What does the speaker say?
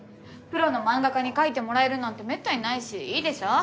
プロの漫画家に描いてもらえるなんてめったにないしいいでしょ？